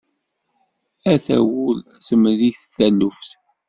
Ata wul temri-t taluft.